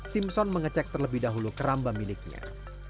simpson mengecek terlebih dahulu keramba miliknya